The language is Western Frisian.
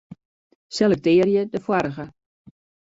Selektearje de foarige.